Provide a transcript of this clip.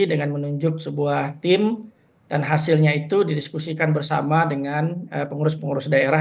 dengan menunjuk sebuah tim dan hasilnya itu didiskusikan bersama dengan pengurus pengurus daerah